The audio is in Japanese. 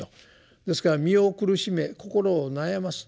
ですから身を苦しめ心を悩ます。